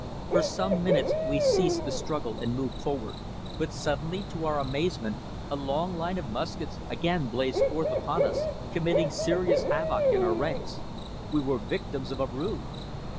For some minutes we ceased the struggle and moved forward, but suddenly, to our amazement, a long line of muskets again blazed forth upon us, committing serious havoc in our ranks. We were victims of a ruse!